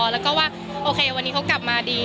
แล้วก็ว่าโอเควันนี้เขากลับมาดี